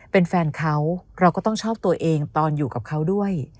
เป็นแฟนเขาเราก็ต้องชอบตัวเองตอนอยู่กับเขาด้วย